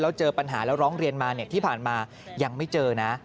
แล้วเจอปัญหาแล้วร้องเรียนมาที่ผ่านมายังไม่เจอนะ